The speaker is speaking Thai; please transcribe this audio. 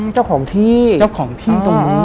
เจ้าของที่